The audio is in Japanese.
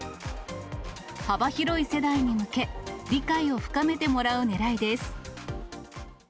幅広い世代に向け、理解を深めてもらうねらいです。